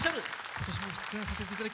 今年も出演させていただき